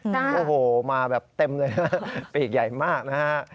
โอ้โหมาแบบเต็มเลยนะปีกใหญ่มากนะฮะ